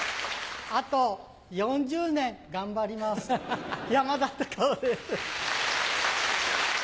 あと４０年頑張ります山田隆夫です。